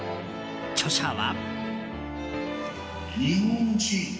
著者は。